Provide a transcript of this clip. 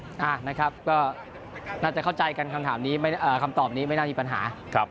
ห้้านะครับก็น่าจะเข้าใจกันคำตอบนี้ไม่น่าอีกปัญหา